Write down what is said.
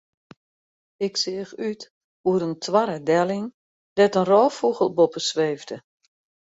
Ik seach út oer in toarre delling dêr't in rôffûgel boppe sweefde.